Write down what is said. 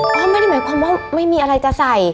เพราะไม่ได้หมายความว่าไม่มีอะไรจะใส่